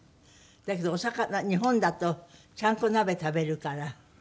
だけどお魚日本だとちゃんこ鍋食べるから。